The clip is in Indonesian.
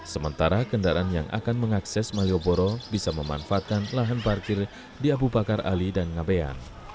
sementara kendaraan yang akan mengakses malioboro bisa memanfaatkan lahan parkir di abu bakar ali dan ngabean